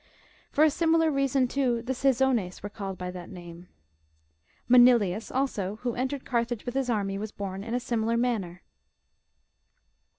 For a similar reason, too, the Caesones were called by that name.^^ Manilius, also, who en tered Carthage with his army, was born in a similar manner.